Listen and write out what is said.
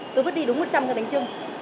tôi vứt đi đúng một trăm linh cái đánh trưng